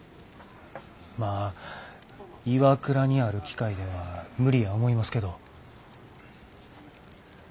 まあＩＷＡＫＵＲＡにある機械では無理や思いますけど。